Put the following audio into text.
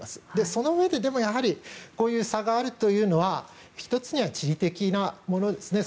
そのうえで、でもやはりこういう差があるというのは１つには地理的なものですね。